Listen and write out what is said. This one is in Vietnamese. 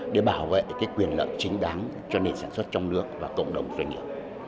để bảo vệ quyền lợi chính đáng cho nền sản xuất trong nước và cộng đồng doanh nghiệp